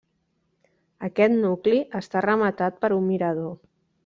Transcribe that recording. Aquest nucli està rematat per un mirador.